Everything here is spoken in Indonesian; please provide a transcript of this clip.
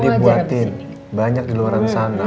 udah dibuatin banyak di luar sana